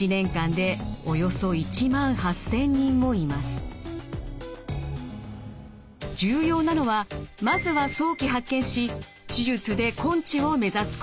そして重要なのはまずは早期発見し手術で根治を目指すこと。